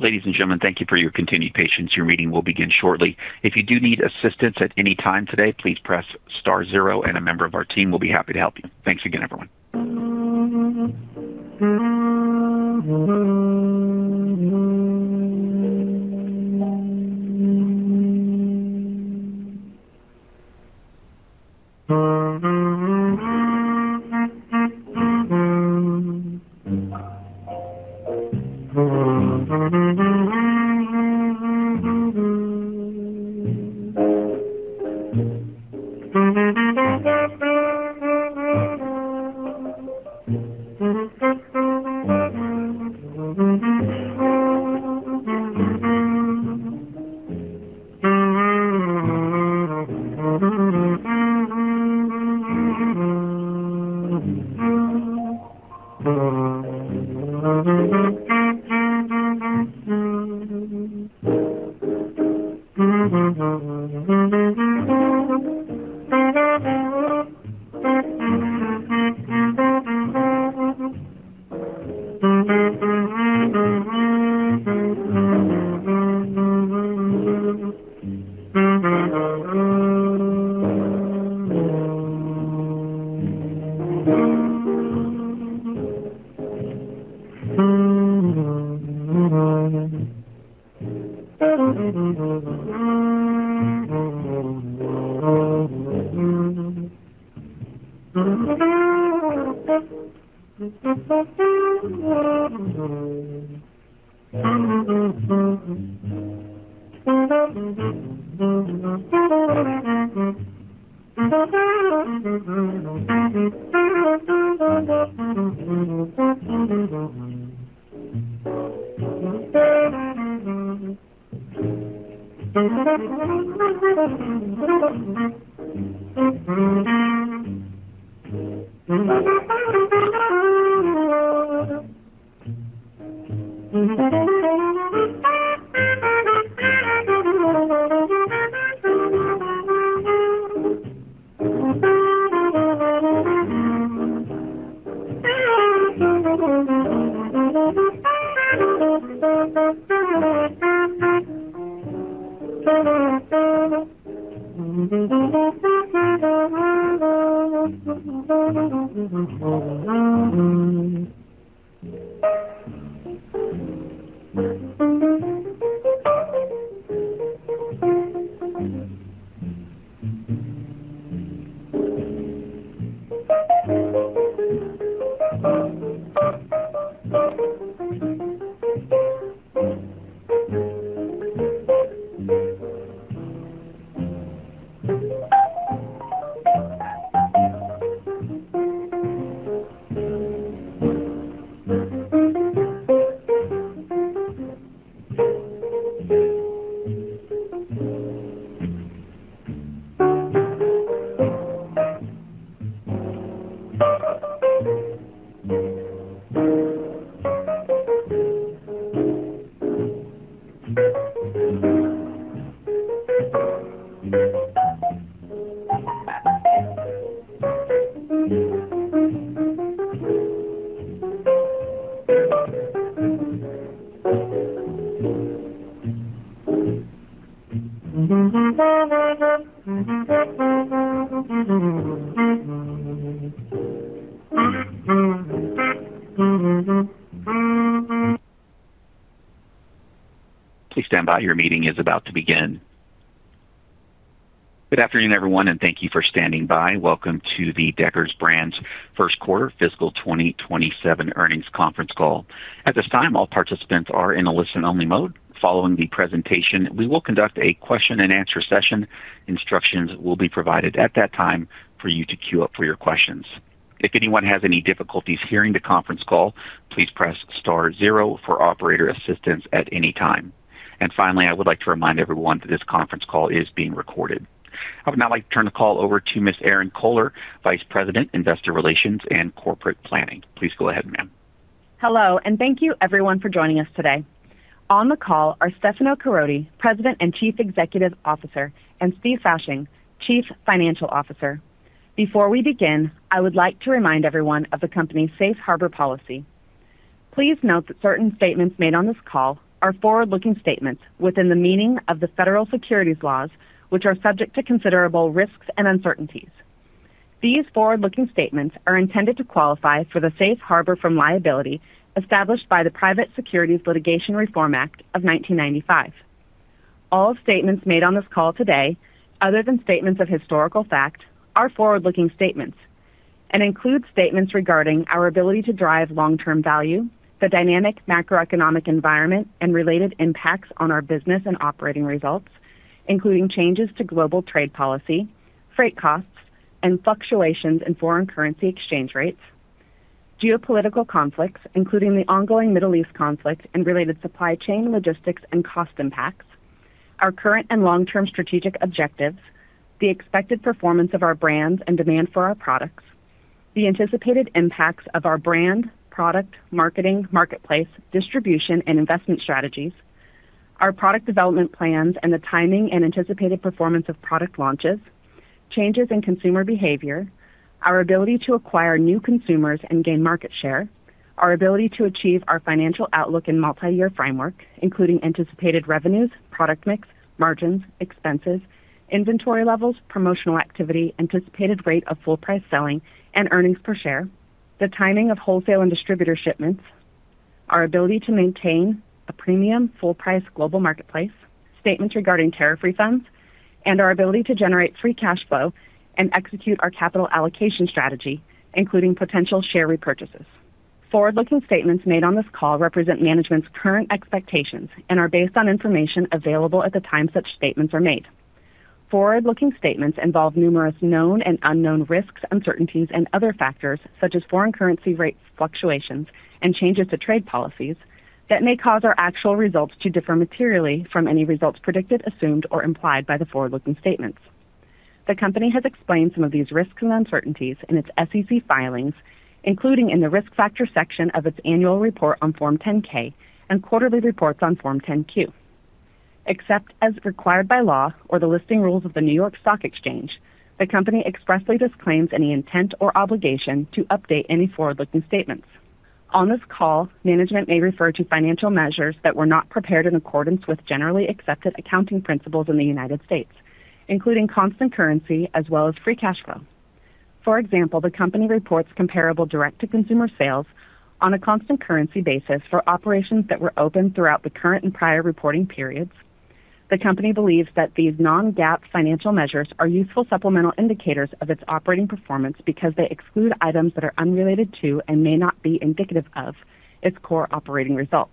Ladies and gentlemen, thank you for your continued patience. Your meeting will begin shortly. If you do need assistance at any time today, please press star zero and a member of our team will be happy to help you. Thanks again, everyone. Please stand by. Your meeting is about to begin. Good afternoon, everyone, and thank you for standing by. Welcome to the Deckers Brands' first quarter fiscal 2027 earnings conference call. At this time, all participants are in a listen-only mode. Following the presentation, we will conduct a question-and-answer session. Instructions will be provided at that time for you to queue up for your questions. If anyone has any difficulties hearing the conference call, please press star zero for operator assistance at any time. Finally, I would like to remind everyone that this conference call is being recorded. I would now like to turn the call over to Ms. Erinn Kohler, Vice President, Investor Relations and Corporate Planning. Please go ahead, ma'am. Hello, thank you everyone for joining us today. On the call are Stefano Caroti, President and Chief Executive Officer, and Steve Fasching, Chief Financial Officer. Before we begin, I would like to remind everyone of the company's safe harbor policy. Please note that certain statements made on this call are forward-looking statements within the meaning of the federal securities laws, which are subject to considerable risks and uncertainties. These forward-looking statements are intended to qualify for the safe harbor from liability established by the Private Securities Litigation Reform Act of 1995. All statements made on this call today, other than statements of historical fact, are forward-looking statements and include statements regarding our ability to drive long-term value, the dynamic macroeconomic environment, and related impacts on our business and operating results, including changes to global trade policy, freight costs, and fluctuations in foreign currency exchange rates, geopolitical conflicts, including the ongoing Middle East conflict and related supply chain logistics and cost impacts, our current and long-term strategic objectives, the expected performance of our brands and demand for our products, the anticipated impacts of our brand, product, marketing, marketplace, distribution, and investment strategies, our product development plans and the timing and anticipated performance of product launches, changes in consumer behavior, our ability to acquire new consumers and gain market share, our ability to achieve our financial outlook and multi-year framework, including anticipated revenues, product mix, margins, expenses, inventory levels, promotional activity, anticipated rate of full price selling and earnings per share, the timing of wholesale and distributor shipments, our ability to maintain a premium full price global marketplace, statements regarding tariff refunds, and our ability to generate free cash flow and execute our capital allocation strategy, including potential share repurchases. Forward-looking statements made on this call represent management's current expectations and are based on information available at the time such statements are made. Forward-looking statements involve numerous known and unknown risks, uncertainties and other factors such as foreign currency rate fluctuations and changes to trade policies that may cause our actual results to differ materially from any results predicted, assumed, or implied by the forward-looking statements. The company has explained some of these risks and uncertainties in its SEC filings, including in the Risk Factors section of its annual report on Form 10-K and quarterly reports on Form 10-Q. Except as required by law or the listing rules of the New York Stock Exchange, the company expressly disclaims any intent or obligation to update any forward-looking statements. On this call, management may refer to financial measures that were not prepared in accordance with generally accepted accounting principles in the U.S., including constant currency as well as free cash flow. For example, the company reports comparable direct-to-consumer sales on a constant currency basis for operations that were open throughout the current and prior reporting periods. The company believes that these non-GAAP financial measures are useful supplemental indicators of its operating performance because they exclude items that are unrelated to and may not be indicative of its core operating results.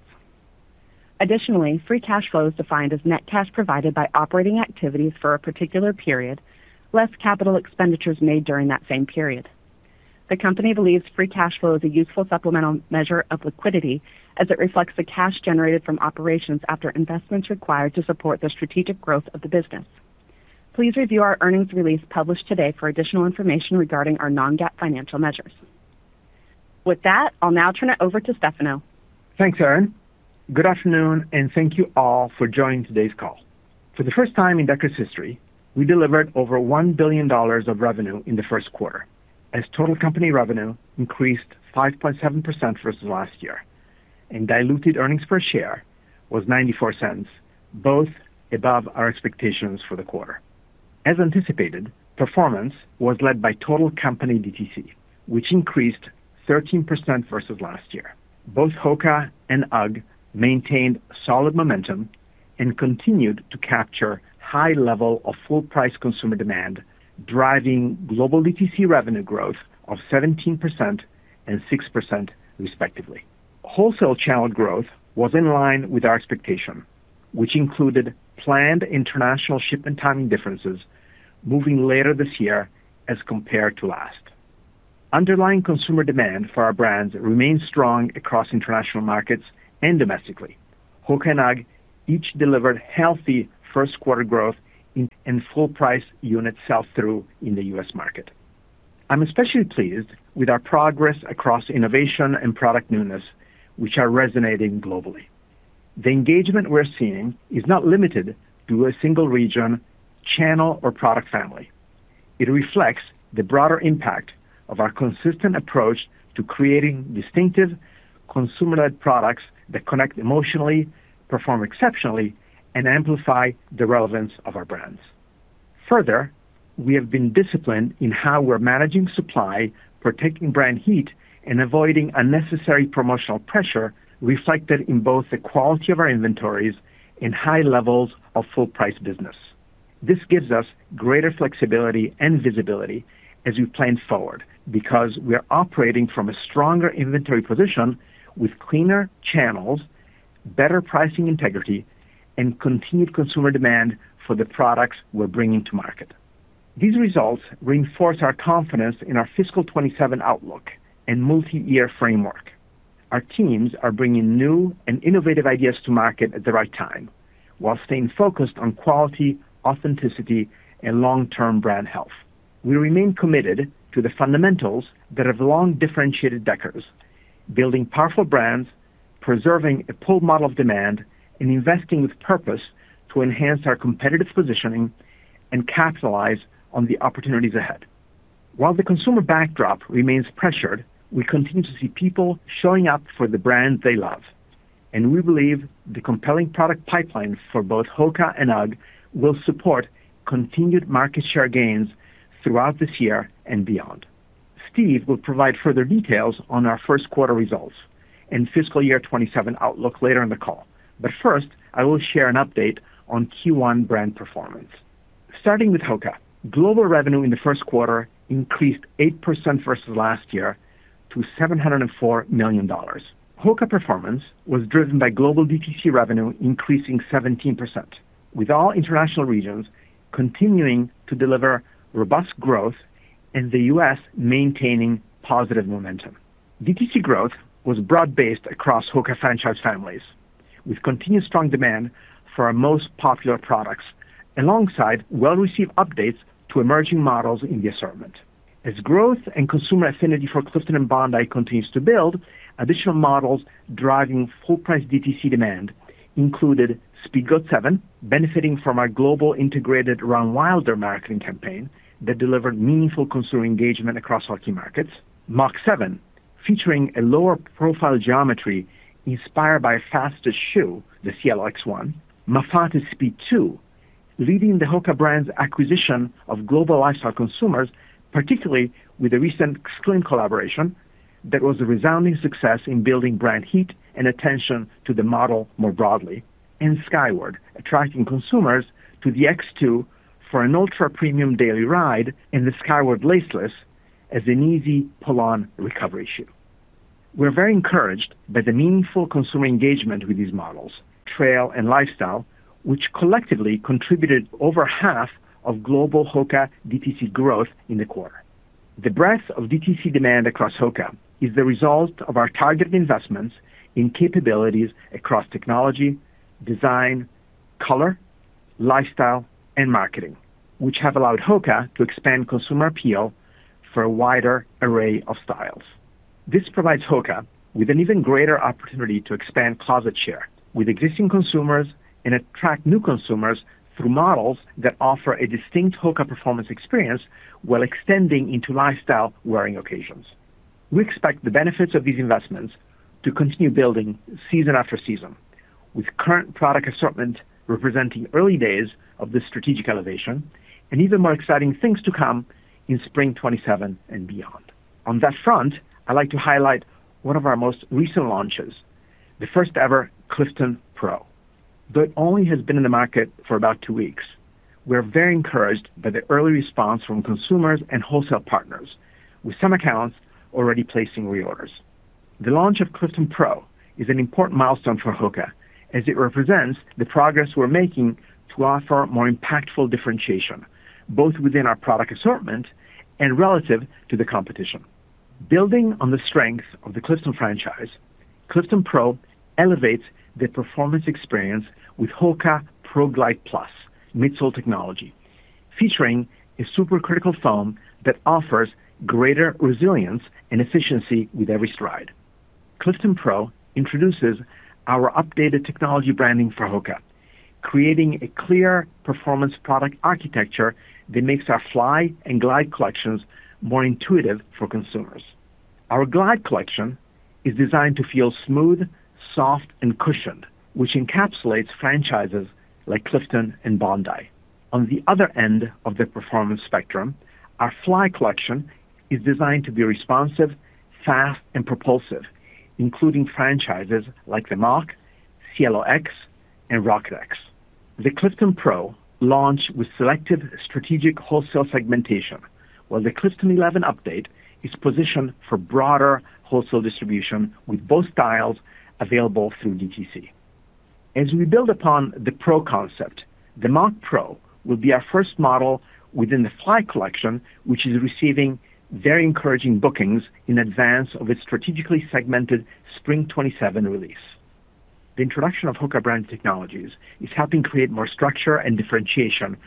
Additionally, free cash flow is defined as net cash provided by operating activities for a particular period, less capital expenditures made during that same period. The company believes free cash flow is a useful supplemental measure of liquidity as it reflects the cash generated from operations after investments required to support the strategic growth of the business. Please review our earnings release published today for additional information regarding our non-GAAP financial measures. With that, I'll now turn it over to Stefano. Thanks, Erinn. Good afternoon, and thank you all for joining today's call. For the first time in Deckers' history, we delivered over $1 billion of revenue in the first quarter, as total company revenue increased 5.7% versus last year, and diluted earnings per share was $0.94, both above our expectations for the quarter. As anticipated, performance was led by total company DTC, which increased 13% versus last year. Both HOKA and UGG maintained solid momentum and continued to capture high level of full price consumer demand, driving global DTC revenue growth of 17% and 6% respectively. Wholesale channel growth was in line with our expectation, which included planned international shipment timing differences moving later this year as compared to last. Underlying consumer demand for our brands remains strong across international markets and domestically. HOKA and UGG each delivered healthy first quarter growth and full price unit sell-through in the U.S. market. I'm especially pleased with our progress across innovation and product newness, which are resonating globally. The engagement we're seeing is not limited to a single region, channel, or product family. It reflects the broader impact of our consistent approach to creating distinctive consumer-led products that connect emotionally, perform exceptionally, and amplify the relevance of our brands. We have been disciplined in how we're managing supply, protecting brand heat, and avoiding unnecessary promotional pressure reflected in both the quality of our inventories and high levels of full price business. This gives us greater flexibility and visibility as we plan forward because we are operating from a stronger inventory position with cleaner channels, better pricing integrity, and continued consumer demand for the products we're bringing to market. These results reinforce our confidence in our fiscal 2027 outlook and multi-year framework. Our teams are bringing new and innovative ideas to market at the right time while staying focused on quality, authenticity, and long-term brand health. We remain committed to the fundamentals that have long differentiated Deckers, building powerful brands, preserving a pull model of demand, and investing with purpose to enhance our competitive positioning and capitalize on the opportunities ahead. While the consumer backdrop remains pressured, we continue to see people showing up for the brands they love, and we believe the compelling product pipeline for both HOKA and UGG will support continued market share gains throughout this year and beyond. Steve will provide further details on our first quarter results and fiscal year 2027 outlook later in the call. First, I will share an update on Q1 brand performance. Starting with HOKA. Global revenue in the first quarter increased 8% versus last year to $704 million. HOKA performance was driven by global DTC revenue increasing 17%, with all international regions continuing to deliver robust growth and the U.S. maintaining positive momentum. DTC growth was broad-based across HOKA franchise families, with continued strong demand for our most popular products alongside well-received updates to emerging models in the assortment. As growth and consumer affinity for Clifton and Bondi continues to build, additional models driving full-price DTC demand included Speedgoat 7, benefiting from our global integrated Run Wilder marketing campaign that delivered meaningful consumer engagement across all key markets. Mach 7, featuring a lower profile geometry inspired by fastest shoe, the Cielo X1. Mafate Speed 2, leading the HOKA brands acquisition of global lifestyle consumers, particularly with the recent XLIM collaboration that was a resounding success in building brand heat and attention to the model more broadly. Skyward, attracting consumers to the Skyward X for an ultra-premium daily ride in the Skyward Laceless as an easy pull-on recovery shoe. We're very encouraged by the meaningful consumer engagement with these models, trail and lifestyle, which collectively contributed over half of global HOKA DTC growth in the quarter. The breadth of DTC demand across HOKA is the result of our targeted investments in capabilities across technology, design, color, lifestyle, and marketing, which have allowed HOKA to expand consumer appeal for a wider array of styles. This provides HOKA with an even greater opportunity to expand closet share with existing consumers and attract new consumers through models that offer a distinct HOKA performance experience, while extending into lifestyle wearing occasions. We expect the benefits of these investments to continue building season after season with current product assortment representing early days of this strategic elevation and even more exciting things to come in Spring 2027 and beyond. On that front, I'd like to highlight one of our most recent launches, the first ever Clifton Pro. Though it only has been in the market for about two weeks, we are very encouraged by the early response from consumers and wholesale partners with some accounts already placing reorders. The launch of Clifton Pro is an important milestone for HOKA as it represents the progress we're making to offer more impactful differentiation, both within our product assortment and relative to the competition. Building on the strength of the Clifton franchise, Clifton Pro elevates the performance experience with HOKA Pro Glide+ midsole technology, featuring a supercritical foam that offers greater resilience and efficiency with every stride. Clifton Pro introduces our updated technology branding for HOKA, creating a clear performance product architecture that makes our Fly and Glide collections more intuitive for consumers. Our Glide collection is designed to feel smooth, soft, and cushioned, which encapsulates franchises like Clifton and Bondi. On the other end of the performance spectrum, our Fly collection is designed to be responsive, fast, and propulsive, including franchises like the Mach, Cielo X, and Rocket X. The Clifton Pro launch with selected strategic wholesale segmentation, while the Clifton 11 update is positioned for broader wholesale distribution with both styles available through DTC. As we build upon the Pro concept, the Mach Pro will be our first model within the Fly collection, which is receiving very encouraging bookings in advance of its strategically segmented Spring 2027 release. The introduction of HOKA brand technologies is helping create more structure and differentiation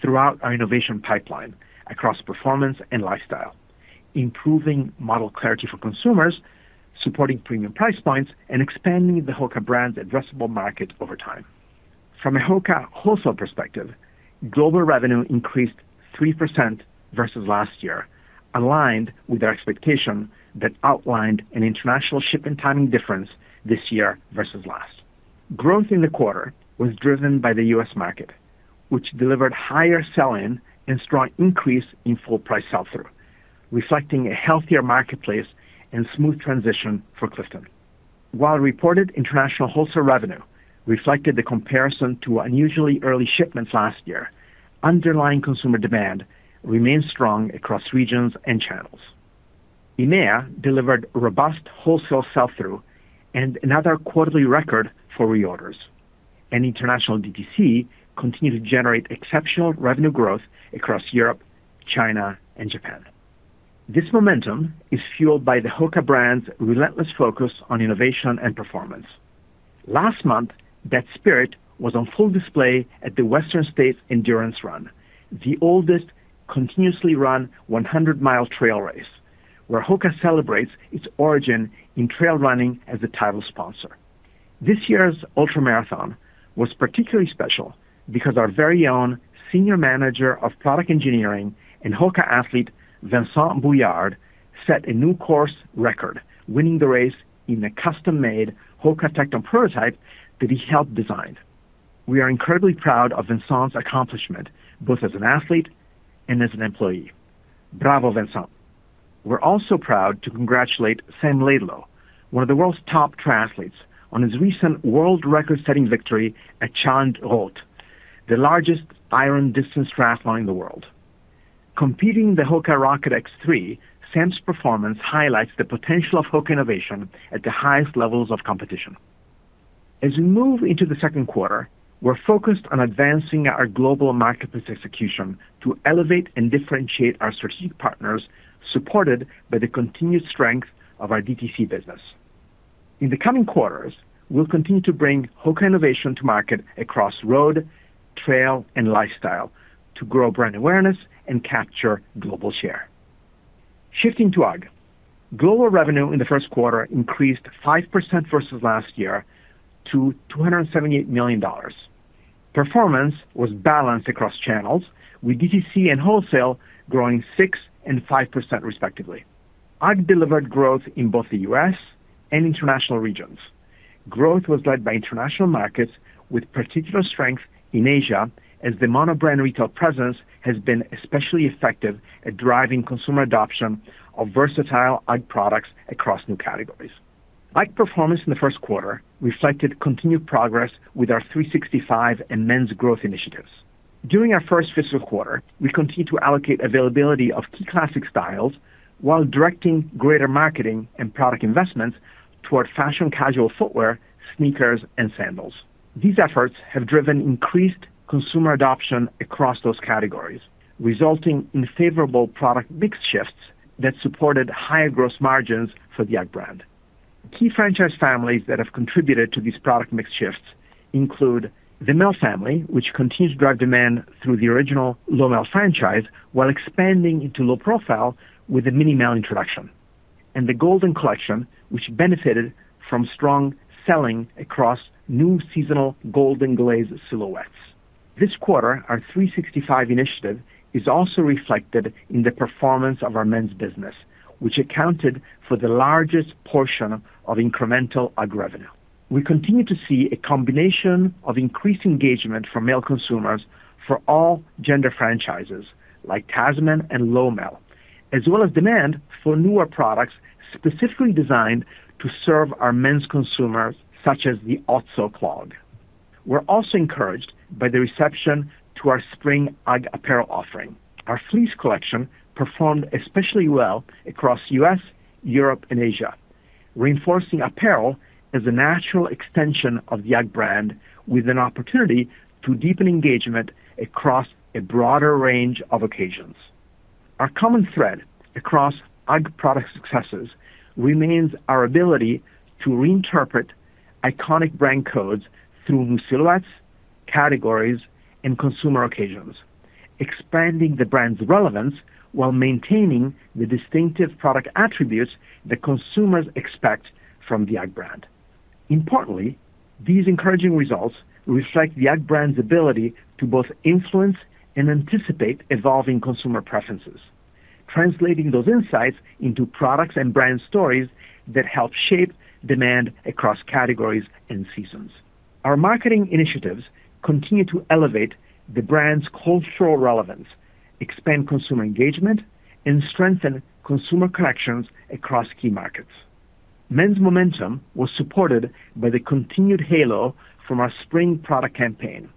throughout our innovation pipeline across performance and lifestyle, improving model clarity for consumers, supporting premium price points, and expanding the HOKA brands addressable market over time. From a HOKA wholesale perspective, global revenue increased 3% versus last year, aligned with our expectation that outlined an international shipment timing difference this year versus last. Growth in the quarter was driven by the U.S. market, which delivered higher sell-in and strong increase in full price sell-through, reflecting a healthier marketplace and smooth transition for Clifton. While reported international wholesale revenue reflected the comparison to unusually early shipments last year, underlying consumer demand remains strong across regions and channels. EMEA delivered robust wholesale sell-through and another quarterly record for reorders. International DTC continued to generate exceptional revenue growth across Europe, China, and Japan. This momentum is fueled by the HOKA brand's relentless focus on innovation and performance. Last month, that spirit was on full display at the Western States Endurance Run, the oldest continuously run 100-mile trail race, where HOKA celebrates its origin in trail running as the title sponsor. This year's ultramarathon was particularly special because our very own senior manager of product engineering and HOKA athlete, Vincent Boullard, set a new course record, winning the race in a custom-made HOKA Tecton prototype that he helped design. We are incredibly proud of Vincent's accomplishment, both as an athlete and as an employee. Bravo, Vincent. We are also proud to congratulate Sam Laidlow, one of the world's top triathletes, on his recent world record-setting victory at Challenge Roth, the largest iron distance triathlon in the world. Competing the HOKA Rocket X 3, Sam's performance highlights the potential of HOKA innovation at the highest levels of competition. As we move into the second quarter, we are focused on advancing our global marketplace execution to elevate and differentiate our strategic partners, supported by the continued strength of our DTC business. In the coming quarters, we will continue to bring HOKA innovation to market across road, trail, and lifestyle to grow brand awareness and capture global share. Shifting to UGG. Global revenue in the first quarter increased 5% versus last year to $278 million. Performance was balanced across channels, with DTC and wholesale growing 6% and 5% respectively. UGG delivered growth in both the U.S. and international regions. Growth was led by international markets, with particular strength in Asia as the monobrand retail presence has been especially effective at driving consumer adoption of versatile UGG products across new categories. UGG performance in the first quarter reflected continued progress with our 365 and men's growth initiatives. During our first fiscal quarter, we continued to allocate availability of key classic styles while directing greater marketing and product investments toward fashion-casual footwear, sneakers, and sandals. These efforts have driven increased consumer adoption across those categories, resulting in favorable product mix shifts that supported higher gross margins for the UGG brand. Key franchise families that have contributed to these product mix shifts include the Mel family, which continues to drive demand through the original Lowmel franchise while expanding into low profile with the Minimel introduction, and the Golden Collection, which benefited from strong selling across new seasonal GoldenGaze silhouettes. This quarter, our 365 initiative is also reflected in the performance of our men's business, which accounted for the largest portion of incremental UGG revenue. We continue to see a combination of increased engagement from male consumers for all gender franchises like Tasman and Lowmel, as well as demand for newer products specifically designed to serve our men's consumers, such as the Ottosee clog. We are also encouraged by the reception to our spring UGG apparel offering. Our fleece collection performed especially well across U.S., Europe, and Asia, reinforcing apparel as a natural extension of the UGG brand with an opportunity to deepen engagement across a broader range of occasions. Our common thread across UGG product successes remains our ability to reinterpret iconic brand codes through new silhouettes, categories, and consumer occasions, expanding the brand's relevance while maintaining the distinctive product attributes that consumers expect from the UGG brand. Importantly, these encouraging results reflect the UGG brand's ability to both influence and anticipate evolving consumer preferences, translating those insights into products and brand stories that help shape demand across categories and seasons. Our marketing initiatives continue to elevate the brand's cultural relevance, expand consumer engagement, and strengthen consumer connections across key markets. Men's momentum was supported by the continued halo from our spring product campaign,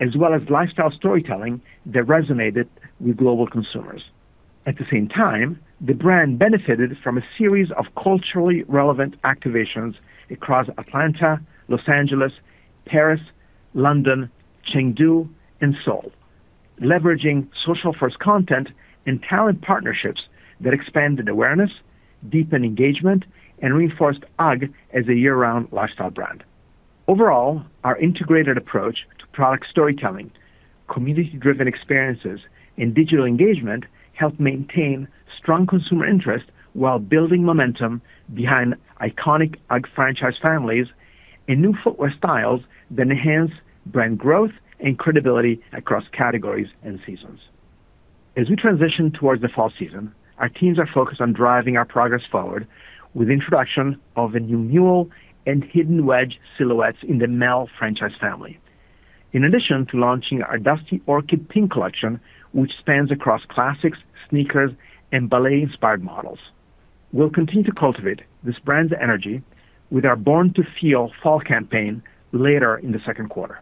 as well as lifestyle storytelling that resonated with global consumers. At the same time, the brand benefited from a series of culturally relevant activations across Atlanta, L.A., Paris, London, Chengdu, and Seoul, leveraging social-first content and talent partnerships that expanded awareness, deepened engagement, and reinforced UGG as a year-round lifestyle brand. Overall, our integrated approach to product storytelling, community-driven experiences, and digital engagement helped maintain strong consumer interest while building momentum behind iconic UGG franchise families and new footwear styles that enhance brand growth and credibility across categories and seasons. As we transition towards the fall season, our teams are focused on driving our progress forward with the introduction of a new mule and hidden wedge silhouettes in the Mel franchise family. In addition to launching our Dusty Orchid pink collection, which spans across classics, sneakers, and ballet-inspired models. We'll continue to cultivate this brand's energy with our Born to Feel fall campaign later in the second quarter.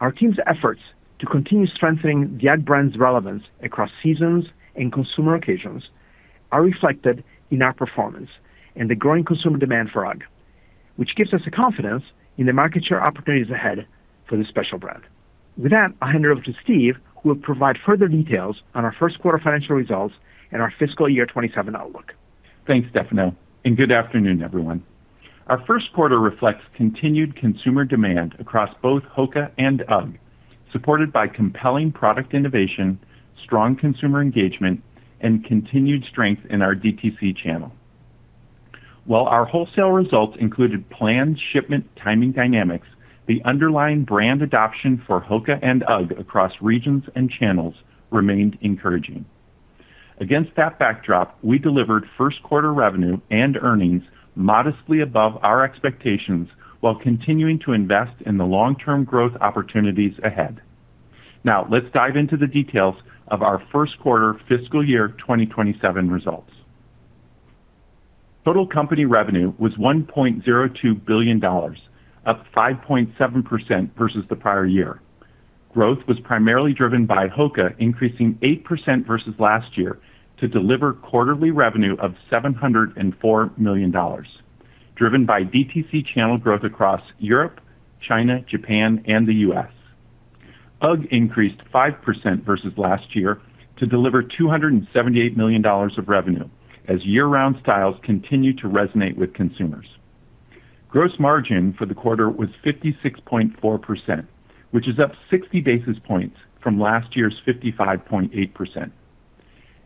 Our team's efforts to continue strengthening the UGG brand's relevance across seasons and consumer occasions are reflected in our performance and the growing consumer demand for UGG, which gives us the confidence in the market share opportunities ahead for this special brand. With that, I'll hand over to Steve, who will provide further details on our first quarter financial results and our fiscal year 2027 outlook. Thanks, Stefano, and good afternoon, everyone. Our first quarter reflects continued consumer demand across both HOKA and UGG, supported by compelling product innovation, strong consumer engagement, and continued strength in our DTC channel. While our wholesale results included planned shipment timing dynamics, the underlying brand adoption for HOKA and UGG across regions and channels remained encouraging. Against that backdrop, we delivered first quarter revenue and earnings modestly above our expectations while continuing to invest in the long-term growth opportunities ahead. Now, let's dive into the details of our first quarter fiscal year 2027 results. Total company revenue was $1.02 billion, up 5.7% versus the prior year. Growth was primarily driven by HOKA, increasing 8% versus last year to deliver quarterly revenue of $704 million, driven by DTC channel growth across Europe, China, Japan, and the U.S. UGG increased 5% versus last year to deliver $278 million of revenue as year-round styles continue to resonate with consumers. Gross margin for the quarter was 56.4%, which is up 60 basis points from last year's 55.8%.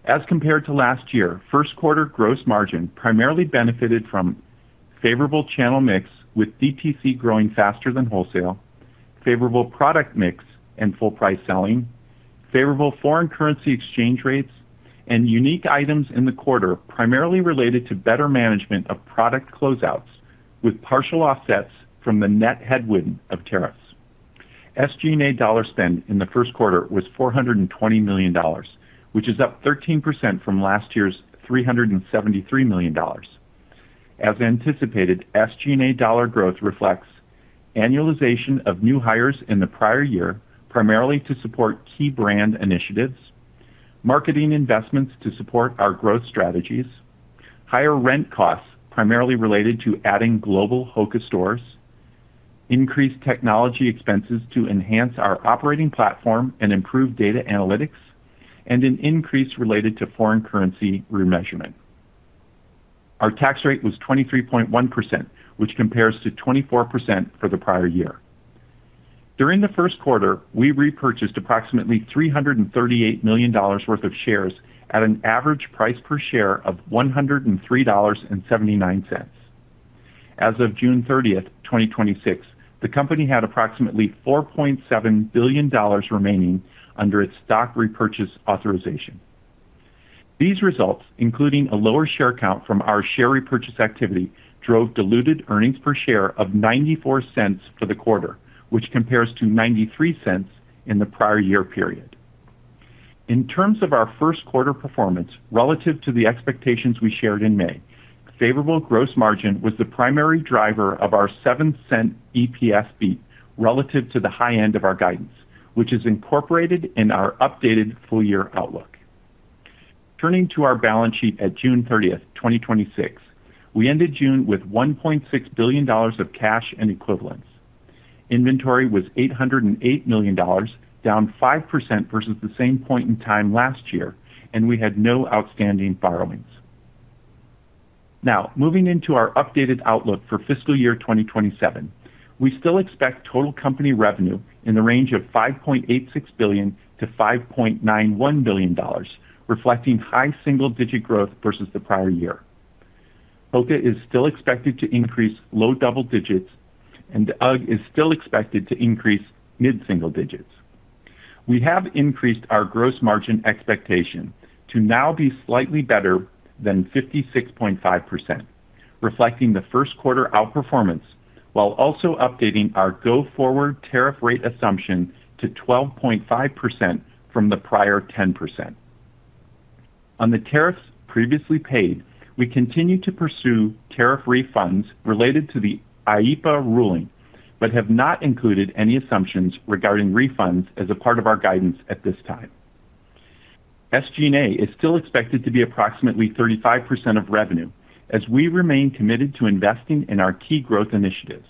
As compared to last year, first quarter gross margin primarily benefited from favorable channel mix with DTC growing faster than wholesale, favorable product mix and full price selling, favorable foreign currency exchange rates, and unique items in the quarter primarily related to better management of product closeouts with partial offsets from the net headwind of tariffs. SG&A dollar spend in the first quarter was $420 million, which is up 13% from last year's $373 million. As anticipated, SG&A dollar growth reflects annualization of new hires in the prior year, primarily to support key brand initiatives, marketing investments to support our growth strategies, higher rent costs primarily related to adding global HOKA stores, increased technology expenses to enhance our operating platform and improve data analytics, and an increase related to foreign currency remeasurement. Our tax rate was 23.1%, which compares to 24% for the prior year. During the first quarter, we repurchased approximately $338 million worth of shares at an average price per share of $103.79. As of June 30th, 2026, the company had approximately $4.7 billion remaining under its stock repurchase authorization. These results, including a lower share count from our share repurchase activity, drove diluted earnings per share of $0.94 for the quarter, which compares to $0.93 in the prior year period. In terms of our first quarter performance relative to the expectations we shared in May, favorable gross margin was the primary driver of our $0.07 EPS beat relative to the high end of our guidance, which is incorporated in our updated full year outlook. Turning to our balance sheet at June 30th, 2026, we ended June with $1.6 billion of cash and equivalents. Inventory was $808 million, down 5% versus the same point in time last year, and we had no outstanding borrowings. Moving into our updated outlook for fiscal year 2027, we still expect total company revenue in the range of $5.86 billion-$5.91 billion, reflecting high single-digit growth versus the prior year. HOKA is still expected to increase low double digits, and UGG is still expected to increase mid-single digits. We have increased our gross margin expectation to now be slightly better than 56.5%, reflecting the first quarter outperformance, while also updating our go-forward tariff rate assumption to 12.5% from the prior 10%. On the tariffs previously paid, we continue to pursue tariff refunds related to the IEEPA ruling but have not included any assumptions regarding refunds as a part of our guidance at this time. SG&A is still expected to be approximately 35% of revenue as we remain committed to investing in our key growth initiatives.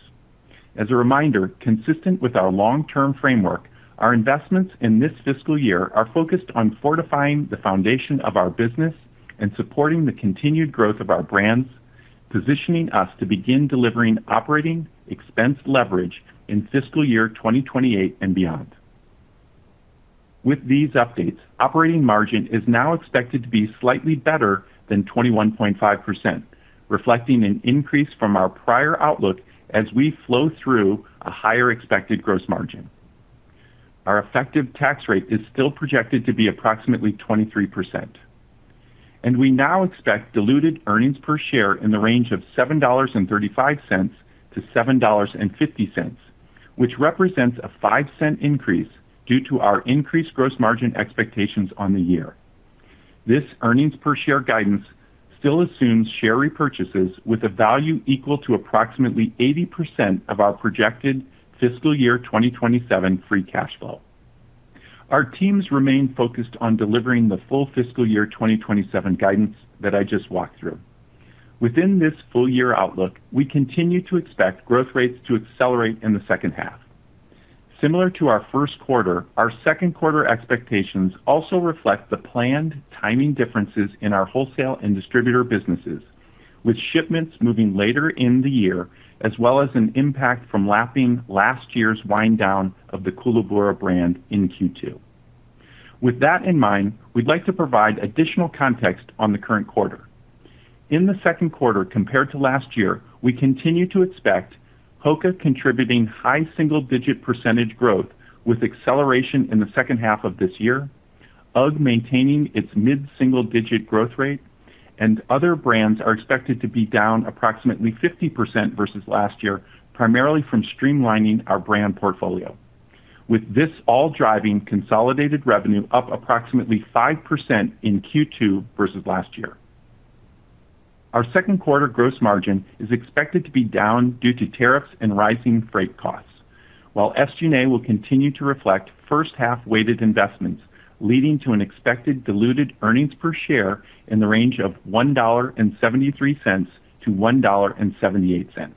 As a reminder, consistent with our long-term framework, our investments in this fiscal year are focused on fortifying the foundation of our business and supporting the continued growth of our brands, positioning us to begin delivering operating expense leverage in fiscal year 2028 and beyond. With these updates, operating margin is now expected to be slightly better than 21.5%, reflecting an increase from our prior outlook as we flow through a higher expected gross margin. Our effective tax rate is still projected to be approximately 23%, and we now expect diluted earnings per share in the range of $7.35-$7.50, which represents a $0.05 increase due to our increased gross margin expectations on the year. This earnings per share guidance still assumes share repurchases with a value equal to approximately 80% of our projected fiscal year 2027 free cash flow. Our teams remain focused on delivering the full fiscal year 2027 guidance that I just walked through. Within this full-year outlook, we continue to expect growth rates to accelerate in the second half. Similar to our first quarter, our second quarter expectations also reflect the planned timing differences in our wholesale and distributor businesses, with shipments moving later in the year, as well as an impact from lapping last year's wind down of the Koolaburra brand in Q2. With that in mind, we would like to provide additional context on the current quarter. In the second quarter compared to last year, we continue to expect HOKA contributing high single-digit percentage growth with acceleration in the second half of this year, UGG maintaining its mid-single digit growth rate, and other brands are expected to be down approximately 50% versus last year, primarily from streamlining our brand portfolio. This all driving consolidated revenue up approximately 5% in Q2 versus last year. Our second quarter gross margin is expected to be down due to tariffs and rising freight costs. SG&A will continue to reflect first half weighted investments, leading to an expected diluted earnings per share in the range of $1.73-$1.78.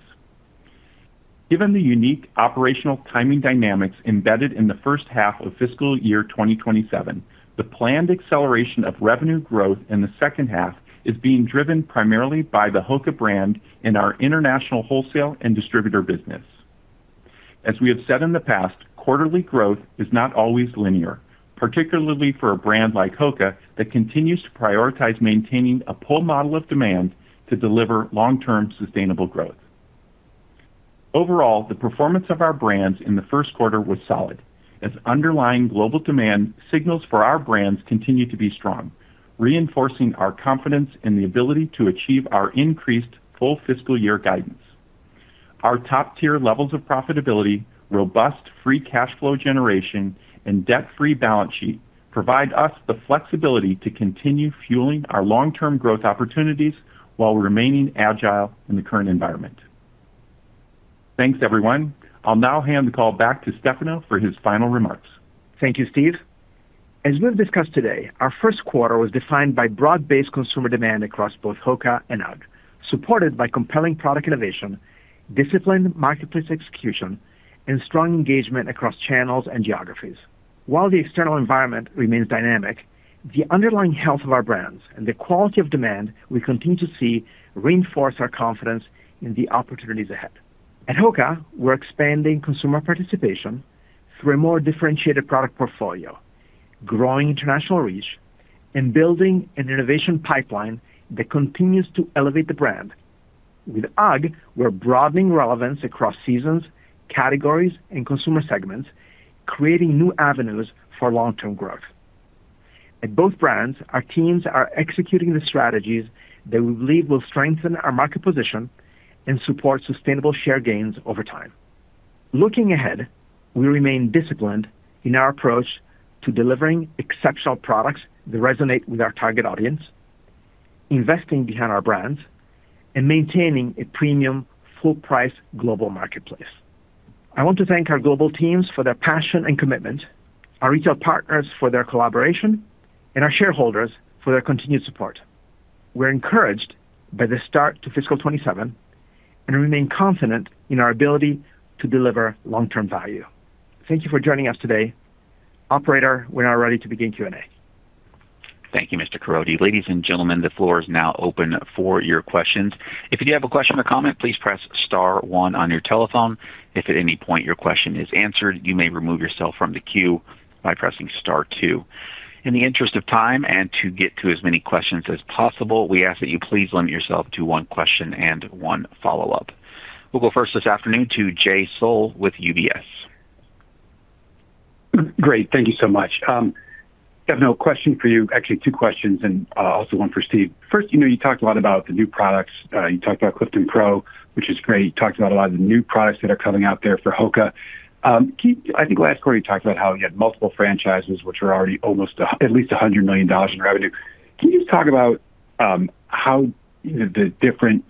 Given the unique operational timing dynamics embedded in the first half of fiscal year 2027, the planned acceleration of revenue growth in the second half is being driven primarily by the HOKA brand in our international wholesale and distributor business. We have said in the past, quarterly growth is not always linear, particularly for a brand like HOKA that continues to prioritize maintaining a pull model of demand to deliver long-term sustainable growth. Overall, the performance of our brands in the first quarter was solid as underlying global demand signals for our brands continue to be strong, reinforcing our confidence in the ability to achieve our increased full fiscal year guidance. Our top-tier levels of profitability, robust free cash flow generation, and debt-free balance sheet provide us the flexibility to continue fueling our long-term growth opportunities while remaining agile in the current environment. Thanks, everyone. I will now hand the call back to Stefano for his final remarks. Thank you, Steve. We have discussed today, our first quarter was defined by broad-based consumer demand across both HOKA and UGG, supported by compelling product innovation, disciplined marketplace execution, and strong engagement across channels and geographies. The external environment remains dynamic, the underlying health of our brands and the quality of demand we continue to see reinforce our confidence in the opportunities ahead. At HOKA, we are expanding consumer participation through a more differentiated product portfolio, growing international reach, and building an innovation pipeline that continues to elevate the brand. UGG, we are broadening relevance across seasons, categories, and consumer segments, creating new avenues for long-term growth. At both brands, our teams are executing the strategies that we believe will strengthen our market position and support sustainable share gains over time. Looking ahead, we remain disciplined in our approach to delivering exceptional products that resonate with our target audience, investing behind our brands, and maintaining a premium full-price global marketplace. I want to thank our global teams for their passion and commitment, our retail partners for their collaboration, and our shareholders for their continued support. We're encouraged by the start to fiscal 2027 and remain confident in our ability to deliver long-term value. Thank you for joining us today. Operator, we are now ready to begin Q&A. Thank you, Mr. Caroti. Ladies and gentlemen, the floor is now open for your questions. If you have a question or comment, please press star one on your telephone. If at any point your question is answered, you may remove yourself from the queue by pressing star two. In the interest of time and to get to as many questions as possible, we ask that you please limit yourself to one question and one follow-up. We'll go first this afternoon to Jay Sole with UBS. Great. Thank you so much. Stefano, a question for you. Actually, two questions, and also one for Steve. First, you talked a lot about the new products. You talked about Clifton Pro, which is great. You talked about a lot of the new products that are coming out there for HOKA. I think last quarter you talked about how you had multiple franchises, which are already at least $100 million in revenue. Can you just talk about how the different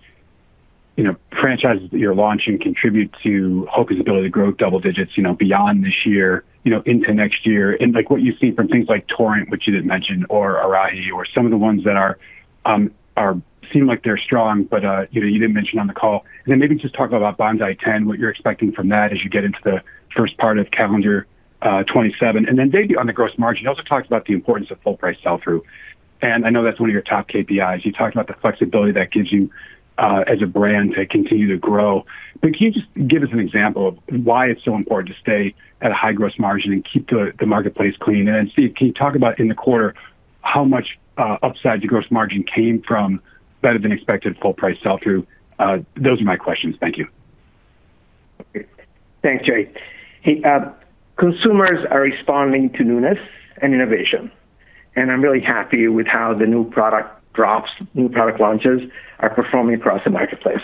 franchises that you're launching contribute to HOKA's ability to grow double digits beyond this year, into next year? What you've seen from things like Torrent, which you didn't mention, or Arahi or some of the ones that seem like they're strong, but you didn't mention on the call. Maybe just talk about Bondi 10, what you're expecting from that as you get into the first part of calendar 2027. Maybe on the gross margin, you also talked about the importance of full price sell-through, and I know that's one of your top KPIs. You talked about the flexibility that gives you as a brand to continue to grow, but can you just give us an example of why it's so important to stay at a high gross margin and keep the marketplace clean? Steve, can you talk about in the quarter, how much upside to gross margin came from better than expected full price sell-through? Those are my questions. Thank you. Thanks, Jay. Consumers are responding to newness and innovation, and I'm really happy with how the new product launches are performing across the marketplace.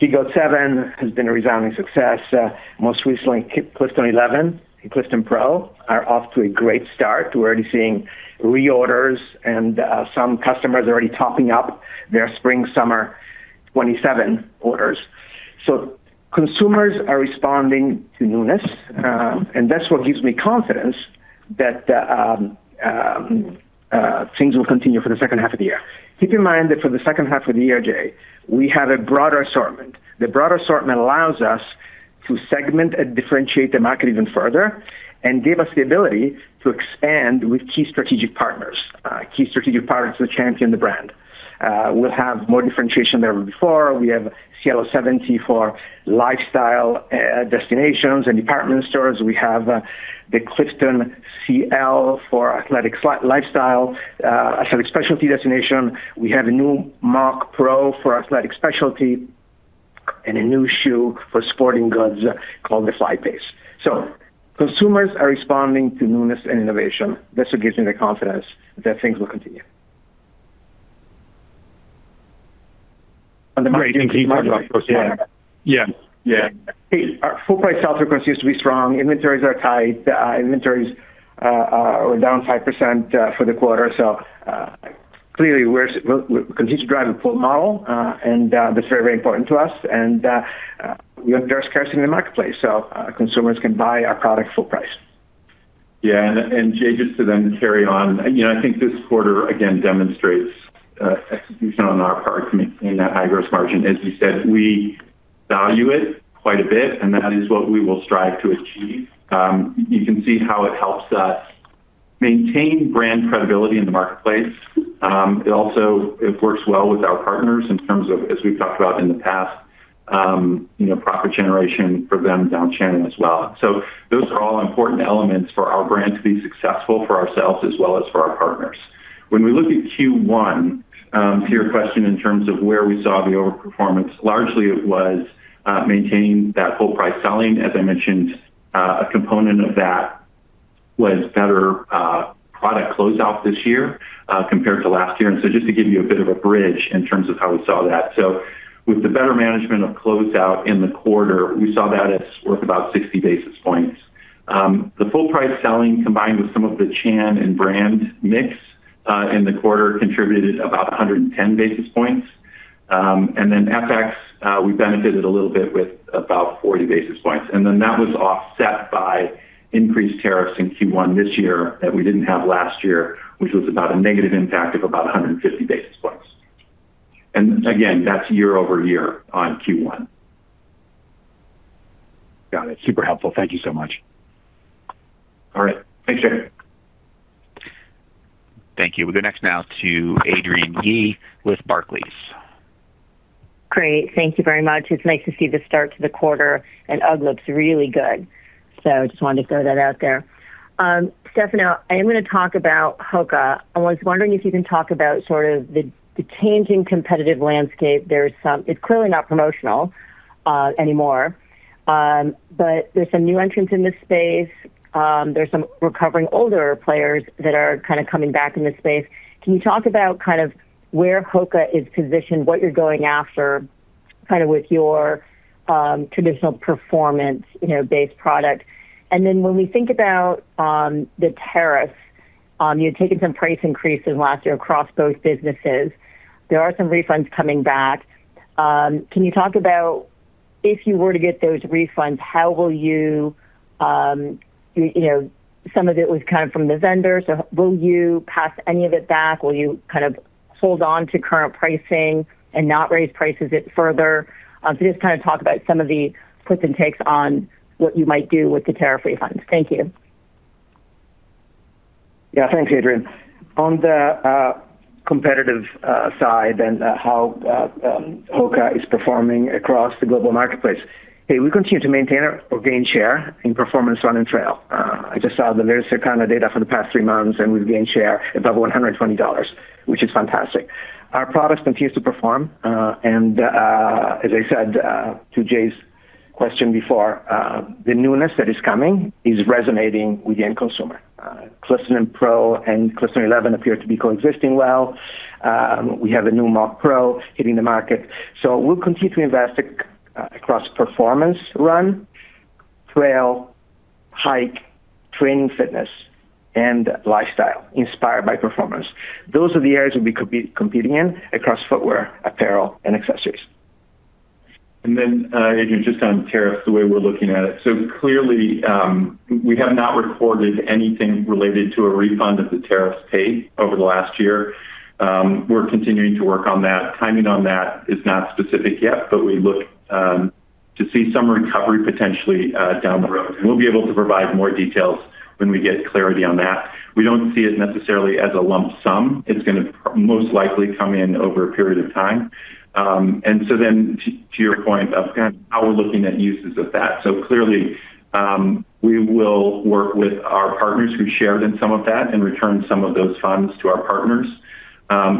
Speedgoat 7 has been a resounding success. Most recently, Clifton 11 and Clifton Pro are off to a great start. We're already seeing reorders and some customers are already topping up their spring-summer 2027 orders. Consumers are responding to newness, and that's what gives me confidence that things will continue for the second half of the year. Keep in mind that for the second half of the year, Jay, we have a broader assortment. The broader assortment allows us to segment and differentiate the market even further and give us the ability to expand with key strategic partners who champion the brand. We'll have more differentiation than ever before. We have Cielo 70 for lifestyle destinations and department stores. We have the Clifton L for athletic lifestyle, athletic specialty destination. We have a new Clifton Pro for athletic specialty and a new shoe for sporting goods called the Fly. Consumers are responding to newness and innovation. That's what gives me the confidence that things will continue. Great. Can you talk about gross margin? Yeah. Yeah. Jay, our full price sell-through continues to be strong. Inventories are tight. Inventories are down 5% for the quarter. Clearly we'll continue to drive a pull model, and that's very, very important to us. We have scarce in the marketplace, so consumers can buy our product full price. Yeah. Jay, just to then carry on. I think this quarter, again, demonstrates execution on our part to maintain that high gross margin. As you said, we value it quite a bit, and that is what we will strive to achieve. You can see how it helps us maintain brand credibility in the marketplace. It also works well with our partners in terms of, as we've talked about in the past, profit generation for them down channel as well. Those are all important elements for our brand to be successful for ourselves as well as for our partners. When we look at Q1, to your question in terms of where we saw the overperformance, largely it was maintaining that full price selling. As I mentioned, a component of that was better product closeout this year compared to last year. Just to give you a bit of a bridge in terms of how we saw that. With the better management of closeout in the quarter, we saw that it's worth about 60 basis points. The full price selling, combined with some of the channel and brand mix in the quarter contributed about 110 basis points. FX, we benefited a little bit with about 40 basis points. That was offset by increased tariffs in Q1 this year that we didn't have last year, which was about a negative impact of about 150 basis points. Again, that's year-over-year on Q1. Got it. Super helpful. Thank you so much. All right. Thanks, Jay. Thank you. We'll go next now to Adrienne Yih with Barclays. Great. Thank you very much. It's nice to see the start to the quarter, and UGG looks really good. Just wanted to throw that out there. Stefano, I am going to talk about HOKA. I was wondering if you can talk about sort of the changing competitive landscape. It's clearly not promotional anymore, but there's some new entrants in this space. There's some recovering older players that are kind of coming back in this space. Can you talk about where HOKA is positioned, what you're going after with your traditional performance-based product? When we think about the tariffs, you had taken some price increases last year across both businesses. There are some refunds coming back. Can you talk about if you were to get those refunds, some of it was coming from the vendors, will you pass any of it back? Will you kind of hold on to current pricing and not raise prices further? Just talk about some of the puts and takes on what you might do with the tariff refunds. Thank you. Thanks, Adrienne. On the competitive side and how HOKA is performing across the global marketplace. Hey, we continue to maintain or gain share in performance run and trail. I just saw the latest kind of data for the past three months, and we've gained share above $120, which is fantastic. Our products continue to perform. As I said to Jay's question before, the newness that is coming is resonating with the end consumer. Clifton Pro and Clifton 11 appear to be coexisting well. We have a new Clifton Pro hitting the market. We'll continue to invest across performance run, trail, hike, training fitness, and lifestyle inspired by performance. Those are the areas we'll be competing in across footwear, apparel, and accessories. Adrienne, just on tariffs, the way we're looking at it. Clearly, we have not recorded anything related to a refund of the tariffs paid over the last year. We're continuing to work on that. Timing on that is not specific yet, but we look to see some recovery potentially down the road. We'll be able to provide more details when we get clarity on that. We don't see it necessarily as a lump sum. It's going to most likely come in over a period of time. To your point about how we're looking at uses of that. Clearly, we will work with our partners who shared in some of that and return some of those funds to our partners.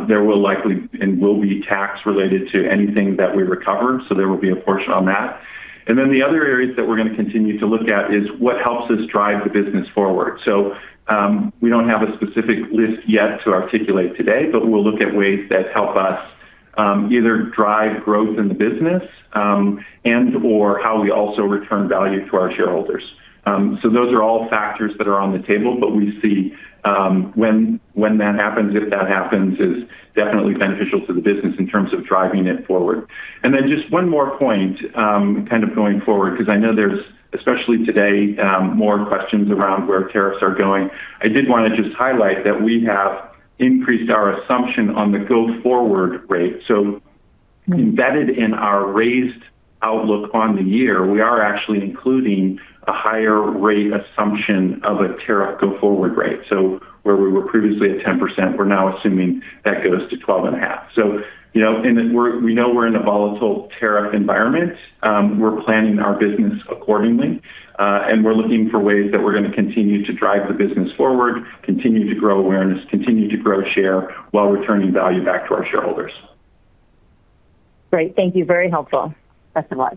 There will likely and will be tax related to anything that we recover. There will be a portion on that. The other areas that we're going to continue to look at is what helps us drive the business forward. We don't have a specific list yet to articulate today, but we'll look at ways that help us either drive growth in the business and/or how we also return value to our shareholders. Those are all factors that are on the table, but we see when that happens, if that happens, is definitely beneficial to the business in terms of driving it forward. Just one more point going forward, because I know there's, especially today, more questions around where tariffs are going. I did want to just highlight that we have increased our assumption on the go-forward rate. Embedded in our raised outlook on the year, we are actually including a higher rate assumption of a tariff go-forward rate. Where we were previously at 10%, we're now assuming that goes to 12.5%. We know we're in a volatile tariff environment. We're planning our business accordingly. We're looking for ways that we're going to continue to drive the business forward, continue to grow awareness, continue to grow share while returning value back to our shareholders. Great. Thank you. Very helpful. Best of luck.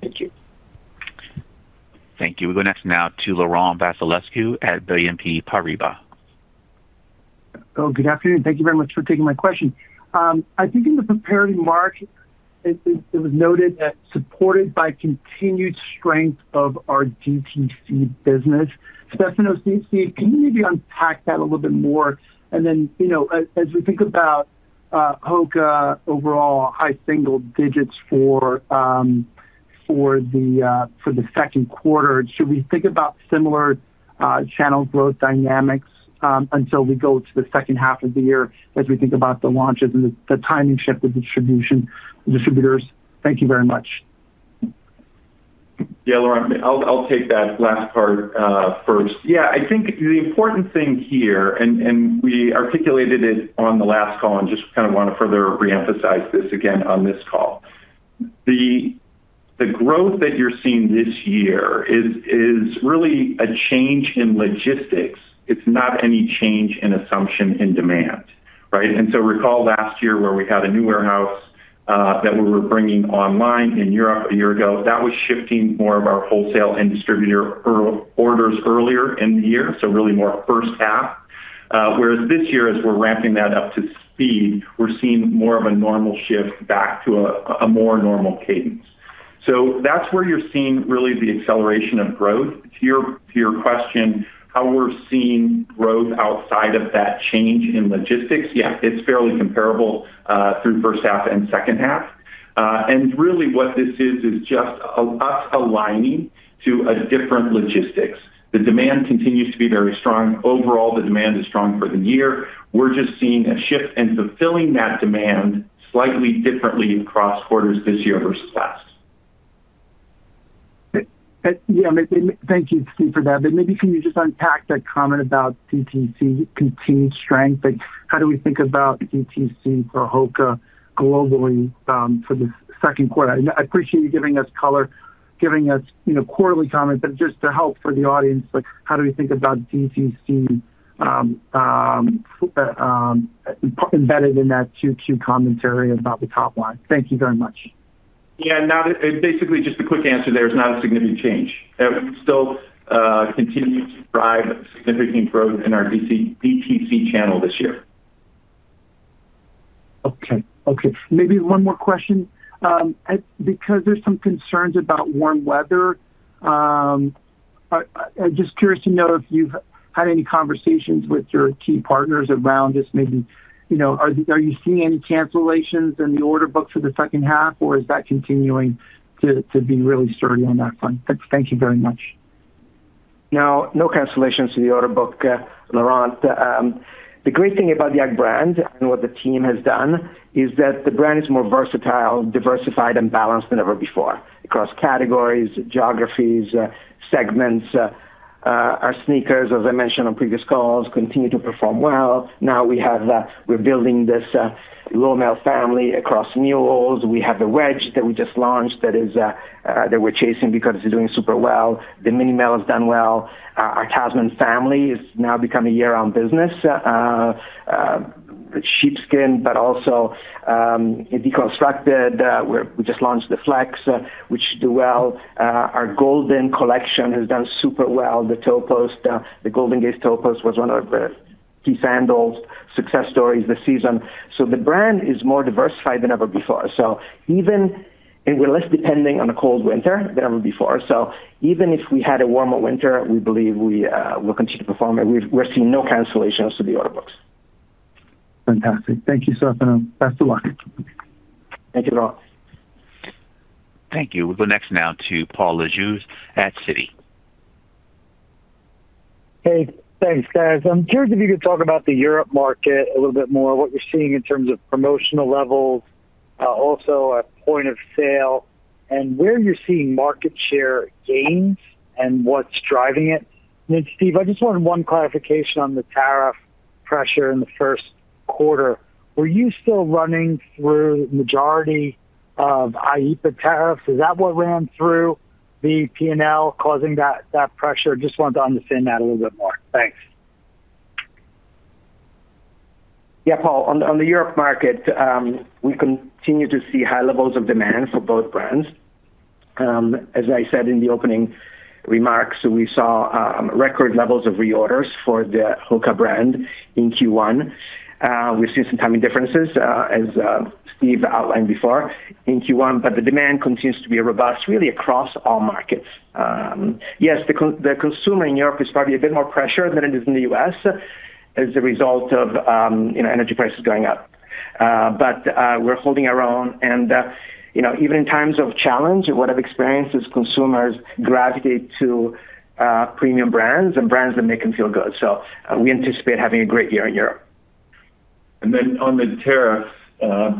Thank you. Thank you. We'll go next now to Laurent Vasilescu at BNP Paribas. Good afternoon. Thank you very much for taking my question. I think in the prepared remarks, it was noted that supported by continued strength of our DTC business. Stefano, can you maybe unpack that a little bit more? As we think about HOKA overall high single digits for the second quarter, should we think about similar channel growth dynamics until we go to the second half of the year as we think about the launches and the timing shift of distributors? Thank you very much. Yeah, Laurent. I'll take that last part first. I think the important thing here, and we articulated it on the last call and just want to further re-emphasize this again on this call. The growth that you're seeing this year is really a change in logistics. It's not any change in assumption in demand. Right? Recall last year where we had a new warehouse that we were bringing online in Europe a year ago. That was shifting more of our wholesale and distributor orders earlier in the year, so really more first half. Whereas this year as we're ramping that up to speed, we're seeing more of a normal shift back to a more normal cadence. That's where you're seeing really the acceleration of growth. To your question, how we're seeing growth outside of that change in logistics. Yeah, it's fairly comparable through first half and second half. Really what this is is just us aligning to a different logistics. The demand continues to be very strong. Overall, the demand is strong for the year. We're just seeing a shift in fulfilling that demand slightly differently across quarters this year versus last. Yeah. Thank you, Steve, for that. Maybe can you just unpack that comment about DTC continued strength? Like how do we think about HOKA globally for this second quarter? I appreciate you giving us color, giving us quarterly comments, but just to help for the audience, like how do we think about DTC embedded in that Q2 commentary about the top line? Thank you very much. Yeah, no. Basically just a quick answer there. There's not a significant change. We still continue to drive significant growth in our DTC channel this year. Okay. Maybe one more question. There's some concerns about warm weather, I'm just curious to know if you've had any conversations with your key partners around this. Maybe, are you seeing any cancellations in the order book for the second half, or is that continuing to be really sturdy on that front? Thank you very much. No cancellations to the order book, Laurent. The great thing about the UGG brand and what the team has done is that the brand is more versatile, diversified, and balanced than ever before across categories, geographies, segments. Our sneakers, as I mentioned on previous calls, continue to perform well. Now we're building this Lowmel family across mules. We have the wedge that we just launched that we're chasing because it's doing super well. The Minimel has done well. Our Tasman family has now become a year-round business with sheepskin, but also in deconstructed, we just launched the Flex which should do well. Our Golden Collection has done super well. The GoldenGaze Toe Post was one of the key sandals success stories this season. The brand is more diversified than ever before. We're less depending on a cold winter than ever before. Even if we had a warmer winter, we believe we will continue to perform, and we're seeing no cancellations to the order books. Fantastic. Thank you, Stefano. Best of luck. Thank you, Laurent. Thank you. We'll go next now to Paul Lejuez at Citi. Hey, thanks, guys. I'm curious if you could talk about the Europe market a little bit more, what you're seeing in terms of promotional levels. Also at point of sale and where you're seeing market share gains and what's driving it. Then Steve, I just wanted one clarification on the tariff pressure in the first quarter. Were you still running through majority of IEEPA tariffs? Is that what ran through the P&L causing that pressure? Just wanted to understand that a little bit more. Thanks. Yeah, Paul. On the Europe market, we continue to see high levels of demand for both brands. As I said in the opening remarks, we saw record levels of reorders for the HOKA brand in Q1. We've seen some timing differences as Steve outlined before in Q1, the demand continues to be robust really across all markets. Yes, the consumer in Europe is probably a bit more pressured than it is in the U.S. as a result of energy prices going up. We're holding our own and even in times of challenge, what I've experienced is consumers gravitate to premium brands and brands that make them feel good. We anticipate having a great year in Europe. Then on the tariffs,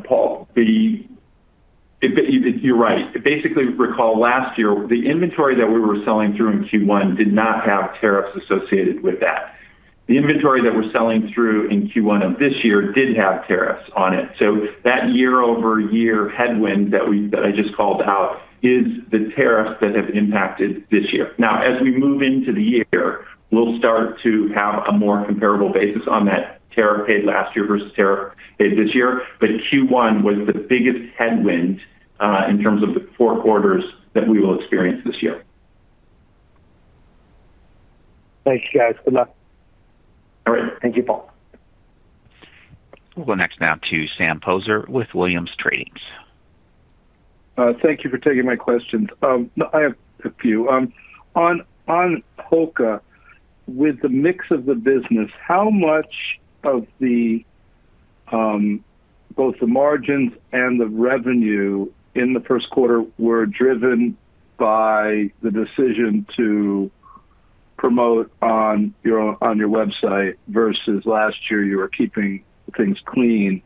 Paul, you're right. Basically recall last year, the inventory that we were selling through in Q1 did not have tariffs associated with that. The inventory that we're selling through in Q1 of this year did have tariffs on it. That year-over-year headwind that I just called out is the tariffs that have impacted this year. Now as we move into the year, we'll start to have a more comparable basis on that tariff paid last year versus tariff paid this year. Q1 was the biggest headwind in terms of the four quarters that we will experience this year. Thanks, guys. Good luck. All right. Thank you, Paul. We'll go next now to Sam Poser with Williams Trading. Thank you for taking my questions. I have a few. On HOKA, with the mix of the business, how much of both the margins and the revenue in the first quarter were driven by the decision to promote on your website versus last year, you were keeping things clean.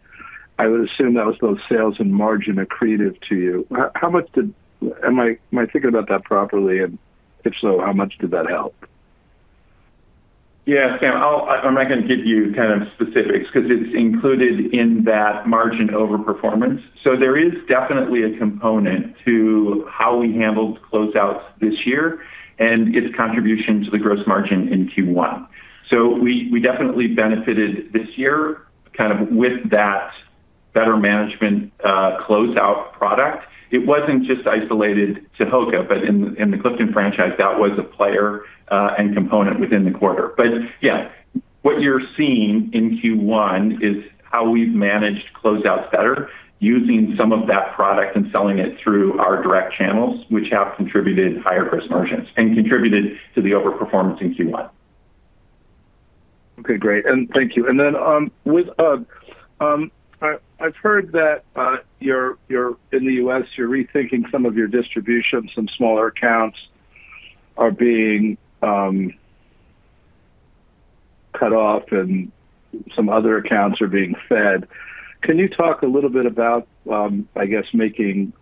I would assume that was both sales and margin accretive to you. Am I thinking about that properly? If so, how much did that help? Yeah. Sam, I'm not going to give you specifics because it's included in that margin over-performance. There is definitely a component to how we handled closeouts this year and its contribution to the gross margin in Q1. We definitely benefited this year with that better management closeout product. It wasn't just isolated to HOKA, but in the Clifton franchise, that was a player and component within the quarter. Yeah, what you're seeing in Q1 is how we've managed closeouts better using some of that product and selling it through our direct channels, which have contributed higher gross margins and contributed to the over-performance in Q1. Okay, great. Thank you. Then with UGG, I've heard that in the U.S., you're rethinking some of your distribution. Some smaller accounts are being cut off and some other accounts are being fed. Can you talk a little bit about making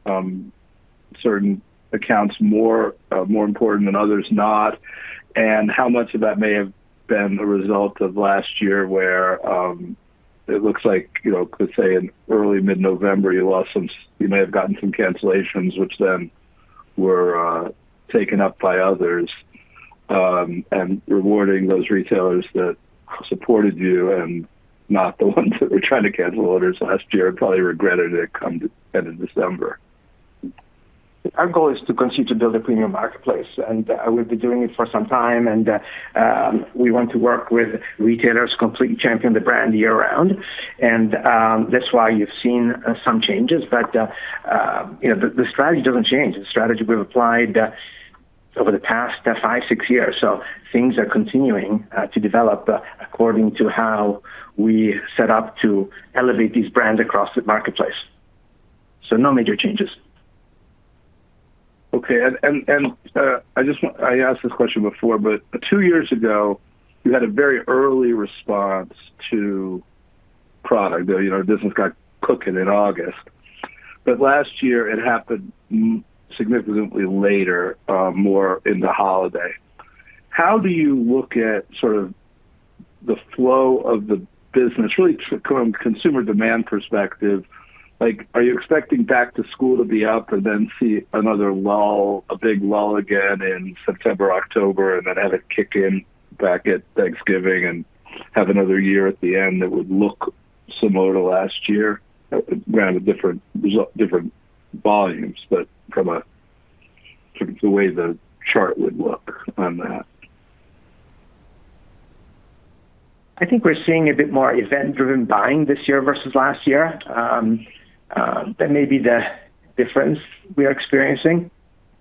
certain accounts more important than others not? How much of that may have been a result of last year where it looks like, let's say in early mid-November, you may have gotten some cancellations, which then were taken up by others, and rewarding those retailers that supported you and not the ones that were trying to cancel orders last year and probably regretted it come the end of December. Our goal is to continue to build a premium marketplace, we've been doing it for some time. We want to work with retailers who completely champion the brand year-round. That's why you've seen some changes. The strategy doesn't change. The strategy we've applied over the past five, six years. Things are continuing to develop according to how we set up to elevate these brands across the marketplace. No major changes. Okay. I asked this question before, two years ago, you had a very early response to product. Business got cooking in August. Last year, it happened significantly later, more in the holiday. How do you look at sort of the flow of the business, really from a consumer demand perspective? Are you expecting back to school to be up and then see another lull, a big lull again in September, October, and then have it kick in back at Thanksgiving and have another year at the end that would look similar to last year? Granted, different volumes, from the way the chart would look on that. I think we're seeing a bit more event-driven buying this year versus last year. That may be the difference we are experiencing,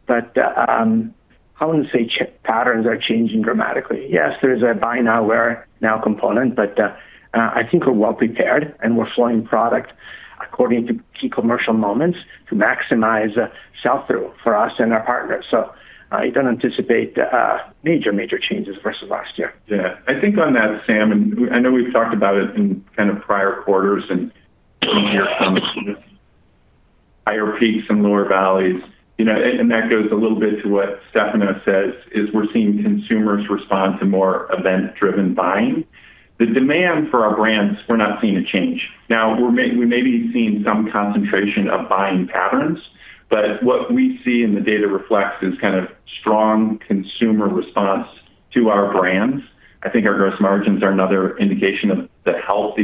but I wouldn't say patterns are changing dramatically. Yes, there is a buy now, wear now component, but I think we're well prepared, and we're flowing product according to key commercial moments to maximize sell-through for us and our partners. I don't anticipate major changes versus last year. Yeah. I think on that, Sam, I know we've talked about it in kind of prior quarters and even here from higher peaks and lower valleys. That goes a little bit to what Stefano says, is we're seeing consumers respond to more event-driven buying. The demand for our brands, we're not seeing a change. We may be seeing some concentration of buying patterns, but what we see in the data reflects is kind of strong consumer response to our brands. I think our gross margins are another indication of the health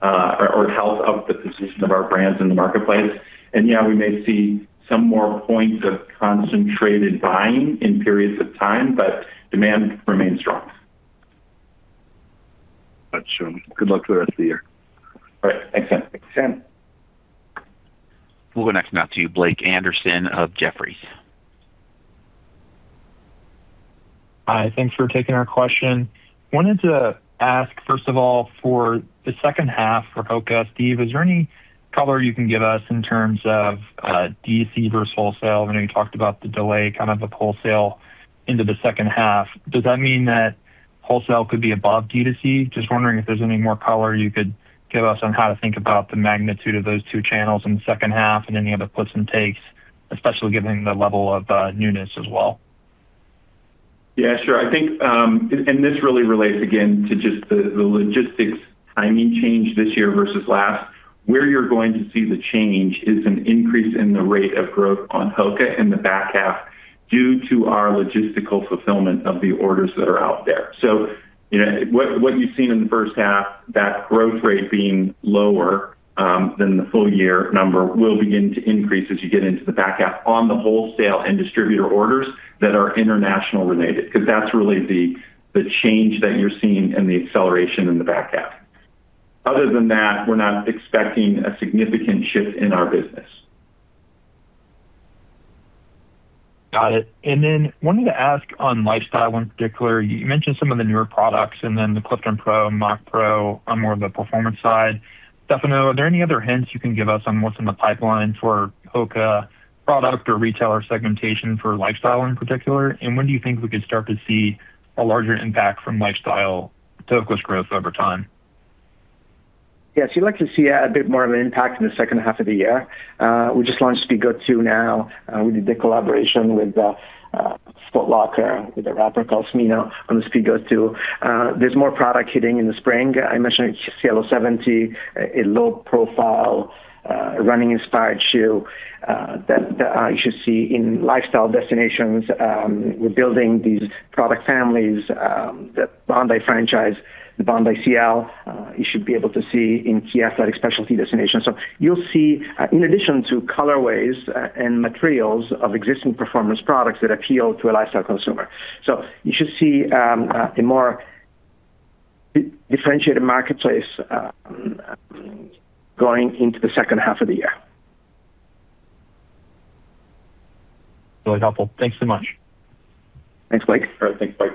of the position of our brands in the marketplace. Yeah, we may see some more points of concentrated buying in periods of time, but demand remains strong. Got you. Good luck with the rest of the year. All right. Thanks, Sam. Thanks, Sam. We'll go next, now to Blake Anderson of Jefferies. Hi, thanks for taking our question. Wanted to ask, first of all, for the second half for HOKA, Steve, is there any color you can give us in terms of D2C versus wholesale? I know you talked about the delay of the wholesale into the second half. Does that mean that wholesale could be above D2C? Just wondering if there's any more color you could give us on how to think about the magnitude of those two channels in the second half and any other puts and takes, especially given the level of newness as well. Yeah, sure. This really relates again to just the logistics timing change this year versus last. Where you're going to see the change is an increase in the rate of growth on HOKA in the back half due to our logistical fulfillment of the orders that are out there. What you've seen in the first half, that growth rate being lower than the full year number will begin to increase as you get into the back half on the wholesale and distributor orders that are international related. That's really the change that you're seeing and the acceleration in the back half. Other than that, we're not expecting a significant shift in our business. Got it. Wanted to ask on lifestyle in particular. You mentioned some of the newer products, the Clifton Pro are more on the performance side. Stefano, are there any other hints you can give us on what's in the pipeline for HOKA product or retailer segmentation for lifestyle in particular? When do you think we could start to see a larger impact from lifestyle to HOKA's growth over time? Yes, you'd like to see a bit more of an impact in the second half of the year. We just launched Speedgoat 2 now. We did the collaboration with Foot Locker, with a rapper called Smino on the Speedgoat 2. There's more product hitting in the spring. I mentioned Cielo 70, a low-profile, running-inspired shoe that you should see in lifestyle destinations. We're building these product families, the Bondi franchise, the Bondi L, you should be able to see in key athletic specialty destinations. You'll see in addition to colorways and materials of existing performance products that appeal to a lifestyle consumer. You should see a more differentiated marketplace going into the second half of the year. Really helpful. Thanks so much. Thanks, Blake. All right. Thanks, Blake.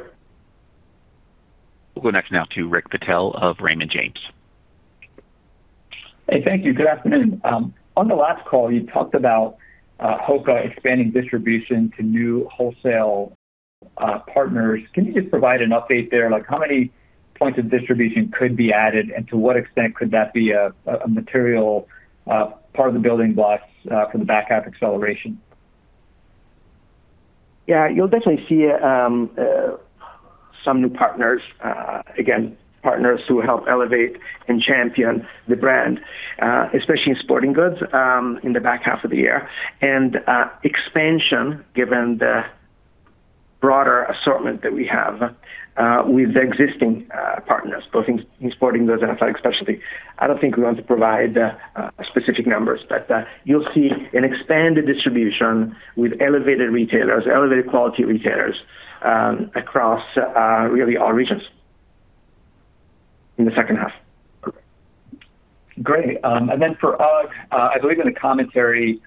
We'll go next now to Rick Patel of Raymond James. Hey, thank you. Good afternoon. On the last call, you talked about HOKA expanding distribution to new wholesale partners. Can you just provide an update there? How many points of distribution could be added, and to what extent could that be a material part of the building blocks for the back half acceleration? Yeah. You'll definitely see some new partners. Again, partners who help elevate and champion the brand, especially in sporting goods, in the back half of the year. Expansion, given the broader assortment that we have with the existing partners, both in sporting goods and athletic specialty. I don't think we want to provide specific numbers. You'll see an expanded distribution with elevated quality retailers across really all regions in the second half. Great. For UGG, I believe in the commentary,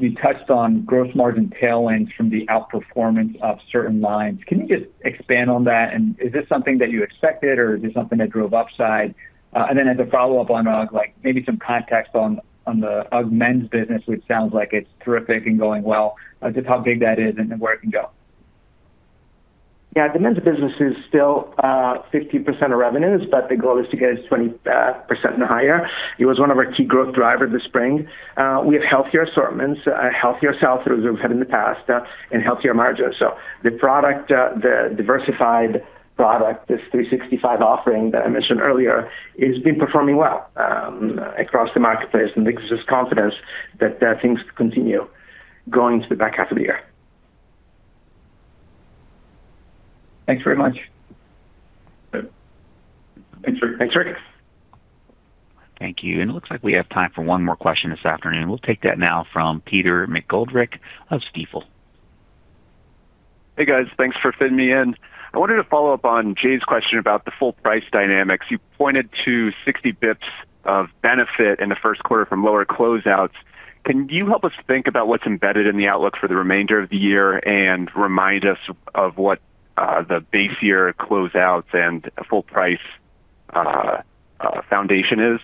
you touched on gross margin tailwinds from the outperformance of certain lines. Can you just expand on that? Is this something that you expected, or is this something that drove upside? As a follow-up on UGG, maybe some context on the UGG men's business, which sounds like it's terrific and going well just how big that is and where it can go. Yeah. The men's business is still 15% of revenues, the goal is to get it to 20% and higher. It was one of our key growth drivers this spring. We have healthier assortments, healthier sell-throughs than we've had in the past, and healthier margins. The diversified product, this 365 offering that I mentioned earlier, has been performing well across the marketplace and gives us confidence that things continue going into the back half of the year. Thanks very much. Thanks, Rick. Thanks, Rick. Thank you. It looks like we have time for one more question this afternoon. We'll take that now from Peter McGoldrick of Stifel. Hey, guys. Thanks for fitting me in. I wanted to follow up on Jay's question about the full price dynamics. You pointed to 60 basis points of benefit in the first quarter from lower closeouts. Can you help us think about what's embedded in the outlook for the remainder of the year and remind us of what the base year closeouts and full price foundation is?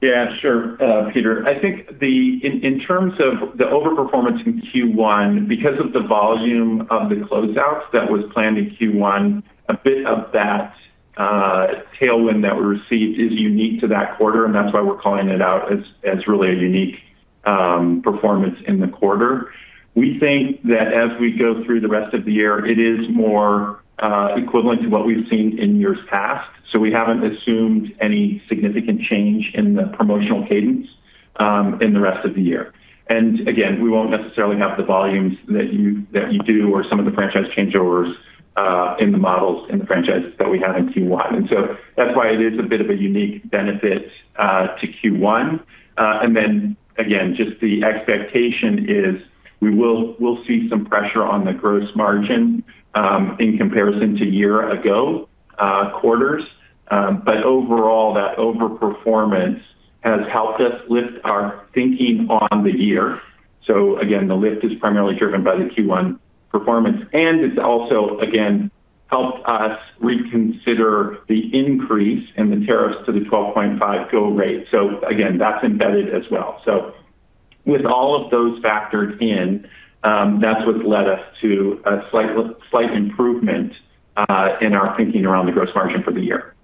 Yeah, sure. Peter, I think in terms of the overperformance in Q1, because of the volume of the closeouts that was planned in Q1, a bit of that tailwind that we received is unique to that quarter, and that's why we're calling it out as really a unique performance in the quarter. We think that as we go through the rest of the year, it is more equivalent to what we've seen in years past. We haven't assumed any significant change in the promotional cadence in the rest of the year. Again, we won't necessarily have the volumes that you do or some of the franchise changeovers in the models in the franchises that we had in Q1. That's why it is a bit of a unique benefit to Q1. Again, just the expectation is we'll see some pressure on the gross margin in comparison to year-ago quarters. Overall, that overperformance has helped us lift our thinking on the year. Again, the lift is primarily driven by the Q1 performance, and it's also, again, helped us reconsider the increase in the tariffs to the 12.5% go rate. Again, that's embedded as well. With all of those factored in, that's what led us to a slight improvement in our thinking around the gross margin for the year.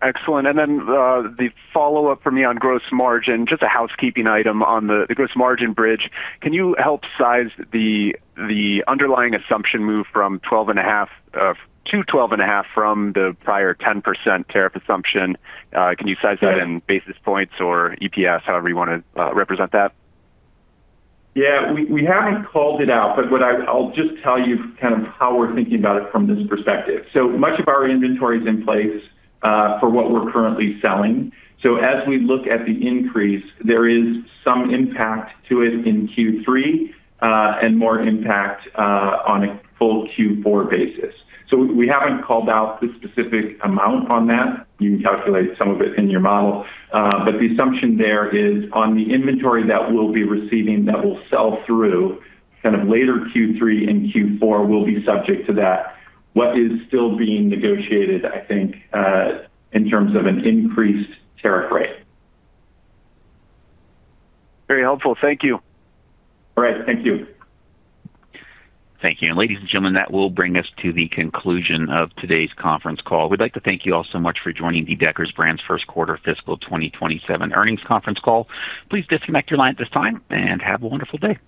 Excellent. The follow-up for me on gross margin, just a housekeeping item on the gross margin bridge. Can you help size the underlying assumption move to 12.5% from the prior 10% tariff assumption? Can you size that in basis points or EPS, however you want to represent that? Yeah. We haven't called it out, but I'll just tell you how we're thinking about it from this perspective. Much of our inventory is in place for what we're currently selling. As we look at the increase, there is some impact to it in Q3, and more impact on a full Q4 basis. We haven't called out the specific amount on that. You can calculate some of it in your model. The assumption there is on the inventory that we'll be receiving that will sell through later Q3 and Q4 will be subject to that what is still being negotiated, I think, in terms of an increased tariff rate. Very helpful. Thank you. All right. Thank you. Thank you. Ladies and gentlemen, that will bring us to the conclusion of today's conference call. We'd like to thank you all so much for joining the Deckers Brands first quarter fiscal 2027 earnings conference call. Please disconnect your line at this time and have a wonderful day.